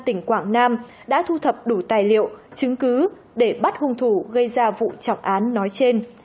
tỉnh quảng nam đã thu thập đủ tài liệu chứng cứ để bắt hung thủ gây ra vụ trọng án nói trên